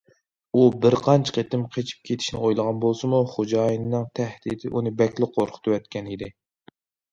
ئۇ بىر قانچە قېتىم قېچىپ كېتىشنى ئويلىغان بولسىمۇ، خوجايىننىڭ تەھدىتى ئۇنى بەكلا قورقۇتۇۋەتكەن ئىدى.